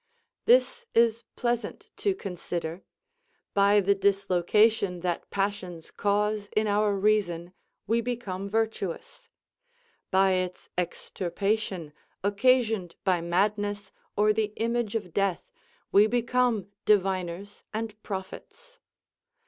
This is pleasant to consider; by the dislocation that passions cause in our reason, we become virtuous; by its extirpation, occasioned by madness or the image of death, we become diviners and prophets.